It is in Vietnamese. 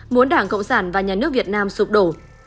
muốn đảng cộng sản và nhà nước việt nam sụp đổ